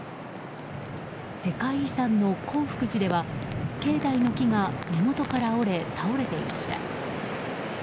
世界遺産の興福寺では境内の木が根元から折れ倒れていました。